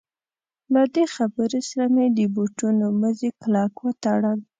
له دې خبرې سره مې د بوټونو مزي کلک وتړل.